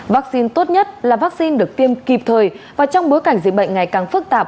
vắc xin tốt nhất là vắc xin được tiêm kịp thời và trong bối cảnh dịch bệnh ngày càng phức tạp